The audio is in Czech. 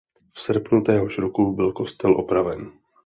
V srpnu téhož roku byl kostel opraven.